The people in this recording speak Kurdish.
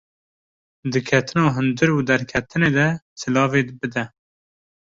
Di Ketina hundir û derketinê de silavê bide